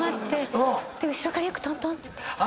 後ろからよくトントンって。